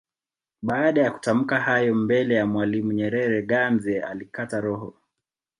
Baada ya kutamka hayo mbele ya Mwalimu Nyerere Ganze alikata roho